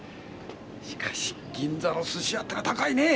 しかし銀座の寿司屋ってのは高いねえ。